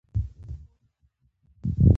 خور له الله سره مینه لري.